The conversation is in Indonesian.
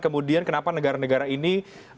kemudian kenapa negara negara ini